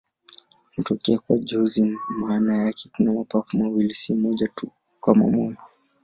Hutokea kwa jozi maana yake kuna mapafu mawili, si moja tu kama moyo.